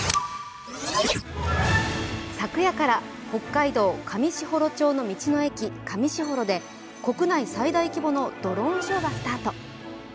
昨夜から北海道上士幌町の道の駅かみしほろで国内最大規模のドローンショーがスタート。